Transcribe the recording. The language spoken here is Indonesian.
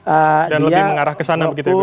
dan lebih mengarah ke sana begitu ya